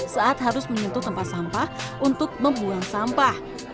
saat harus menyentuh tempat sampah untuk membuang sampah